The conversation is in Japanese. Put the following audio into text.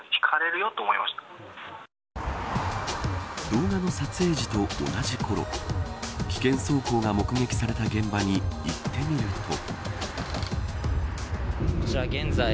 動画の撮影時と同じころ危険走行が目撃された現場に行ってみると。